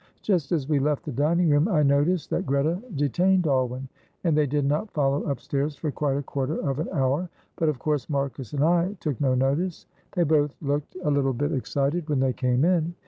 Just as we left the dining room I noticed that Greta detained Alwyn, and they did not follow upstairs for quite a quarter of an hour, but of course Marcus and I took no notice. They both looked a little bit excited when they came in.